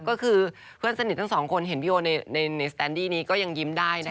ก็คือเพื่อนสนิททั้งสองคนเห็นพี่โอในสแตนดี้นี้ก็ยังยิ้มได้นะคะ